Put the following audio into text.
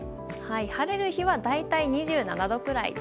晴れる日は大体２７度くらい。